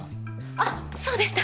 あっそうでした。